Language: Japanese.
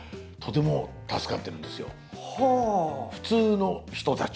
普通の人たち。